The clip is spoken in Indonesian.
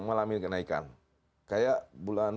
mengalami kenaikan kayak bulan